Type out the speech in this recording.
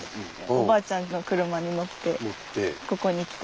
おばあちゃんの車に乗ってここに来た。